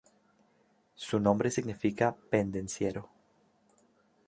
Su nombre significa "pendenciero".